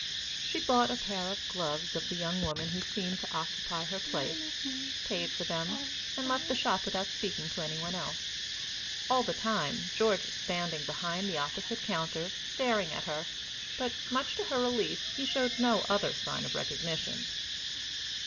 _ She bought a pair of gloves of the young woman who seemed to occupy her place, paid for them, and left the shop without speaking to any one else. All the time, George was standing behind the opposite counter, staring at her; but, much to her relief, he showed no other sign of recognition.